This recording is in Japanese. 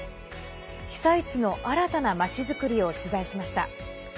被災地の新たな町づくりを取材しました。